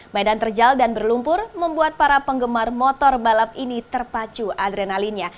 medan terjal dan berlumpur membuat para penggemar motor balap ini terpacu adrenalinnya